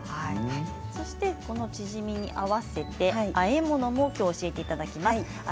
そしてこのチヂミに合わせてあえ物も教えていただきます。